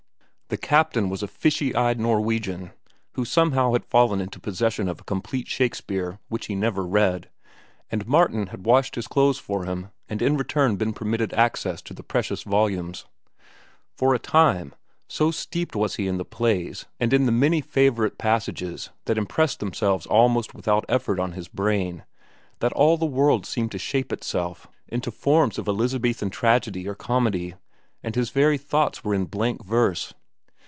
The captain was a fishy eyed Norwegian who somehow had fallen into possession of a complete Shakespeare, which he never read, and Martin had washed his clothes for him and in return been permitted access to the precious volumes. For a time, so steeped was he in the plays and in the many favorite passages that impressed themselves almost without effort on his brain, that all the world seemed to shape itself into forms of Elizabethan tragedy or comedy and his very thoughts were in blank verse.